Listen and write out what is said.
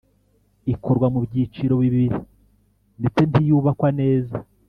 ikorwa mu byiciro bibiri ndetse ntiyubakwa neza